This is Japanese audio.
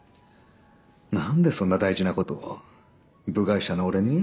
何でそんな大事なことを部外者の俺に？